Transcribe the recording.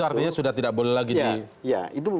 itu artinya sudah tidak boleh lagi di